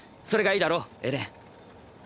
それがいいだろエレン。